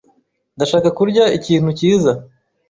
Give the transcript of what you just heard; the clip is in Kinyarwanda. Ndashaka kurya ikintu cyiza.